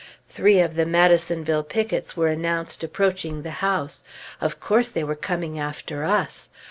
Three of the Madisonville pickets were announced approaching the house. Of course, they were coming after us!